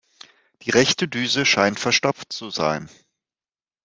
Die rechte Düse scheint verstopft zu sein.